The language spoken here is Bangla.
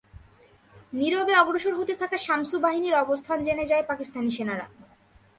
নীরবে অগ্রসর হতে থাকা শামসু বাহিনীর অবস্থান জেনে যায় পাকিস্তানি সেনারা।